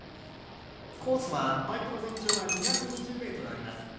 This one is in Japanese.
コースはパイプの全長が２２０ｍあります。